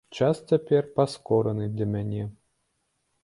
Час цяпер паскораны для мяне.